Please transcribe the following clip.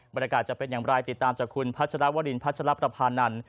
จะเป็นอย่างไรติดตามจากคุณพัชรวรินพัชรประพานันท